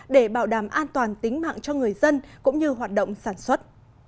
để bảo đảm an toàn tính mạng cho người dân cũng như hoạt động sản xuất